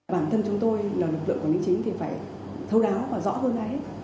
bản thân chúng tôi là lực lượng quản lý chính thì phải thâu đáo và rõ hơn là hết